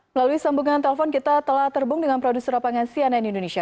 melalui sambungan telepon kita telah terhubung dengan produser lapangan cnn indonesia